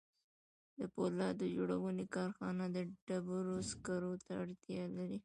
د پولاد جوړونې کارخانه د ډبرو سکارو ته اړتیا لري